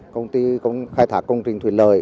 công ty khai thác công trình thừa lợi